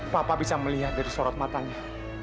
papa bisa melihat dari sorot matanya